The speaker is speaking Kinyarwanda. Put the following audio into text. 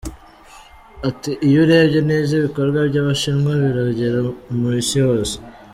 Ati“ Iyo urebye neza ibikorwa by’Abashinwa biragera mu isi hose.